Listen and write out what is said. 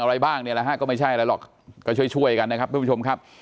อะไรบ้างเนี่ยแหละฮะก็ไม่ใช่อะไรหรอกก็ช่วยช่วยกันนะครับทุกผู้ชมครับ